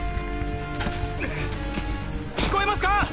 聞こえますか？